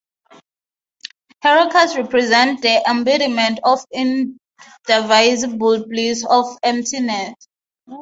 Herukas represent the embodiment of indivisible bliss and emptiness.